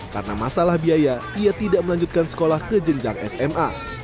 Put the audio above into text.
karena masalah biaya ia tidak melanjutkan sekolah ke jenjang sma